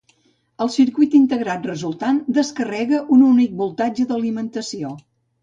El circuit integrat resultant descarrega un únic voltatge d'alimentació.